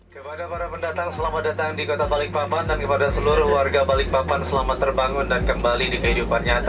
kepada para pendatang selamat datang di kota balikpapan dan kepada seluruh warga balikpapan selamat terbangun dan kembali di kehidupan nyata